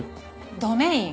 ドメイン。